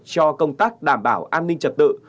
cho công tác đảm bảo an ninh trật tự